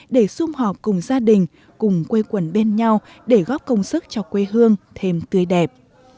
để xung họp cùng gia đình cùng quê quần bên nhau để góp công sức cho quê hương thêm tươi đẹp